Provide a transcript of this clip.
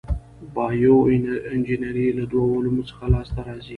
بایو انجنیری له دوو علومو څخه لاس ته راځي.